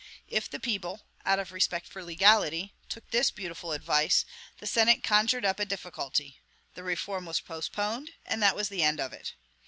If the people out of respect for legality took this beautiful advice, the Senate conjured up a difficulty; the reform was postponed, and that was the end of it.